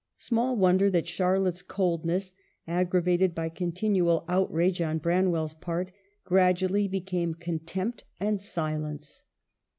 Small wonder that Charlotte's coldness, aggra vated by continual outrage on Branwell's part, gradually became contempt and silence.